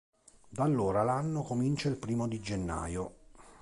Da allora l'anno comincia il primo di gennaio.